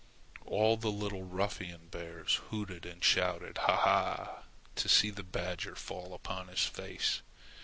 All the little ruffian bears hooted and shouted "ha ha!" to see the beggar fall upon his face.